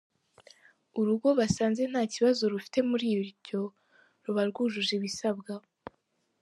Urugo basanze nta kibazo rufite muri ibyo, ruba rwujuje ibisabwa.